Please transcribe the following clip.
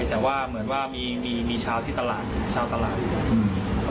แต่ว่าเหมือนว่ามีมีชาวที่ตลาดชาวตลาดอยู่แล้วอืม